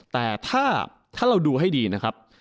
แต่ถ้าเราดูให้ดีนะครับ